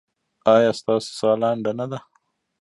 ایا ستاسو ساه لنډه نه ده؟